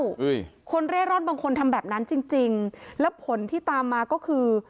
คนเร่ร่อนบางคนทำแบบนั้นจริงจริงแล้วผลที่ตามมาก็คือ